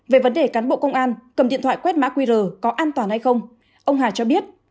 về vấn đề cán bộ công an cầm điện thoại quét mã qr có an toàn hay không ông hà cho biết